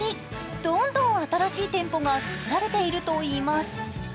どんどん新しい店舗が作られているといいます。